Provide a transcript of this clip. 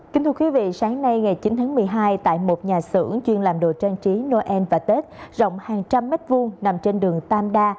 kính thưa quý vị sáng nay ngày chín tháng một mươi hai tại một nhà xưởng chuyên làm đồ trang trí noel và tết rộng hàng trăm mét vuông nằm trên đường tam đa